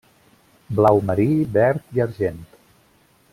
Blau marí, verd i argent.